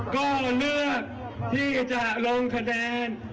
ก็เลือกที่จะลงคะแนน